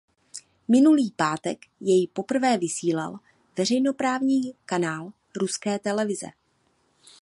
Minulý pátek jej poprvé vysílal veřejnoprávní kanál ruské televize.